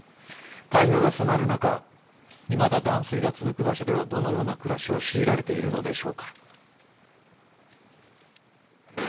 台風が迫る中いまだ断水が続く場所ではどのような暮らしを強いられているのでしょうか。